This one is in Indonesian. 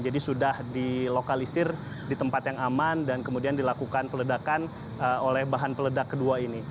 jadi sudah dilokalisir di tempat yang aman dan kemudian dilakukan peledakan oleh bahan peledak kedua ini